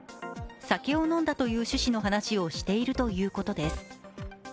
酒を飲んだという趣旨の話をしているということです。